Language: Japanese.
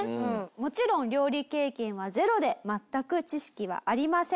もちろん料理経験はゼロで全く知識はありません。